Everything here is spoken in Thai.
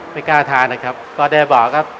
ไม่กล้าทานนะครับก็ได้บอกครับ